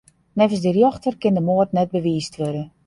Neffens de rjochter kin de moard net bewiisd wurde.